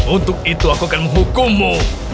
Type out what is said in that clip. untuk itu aku akan menghukummu